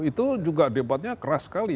itu juga debatnya keras sekali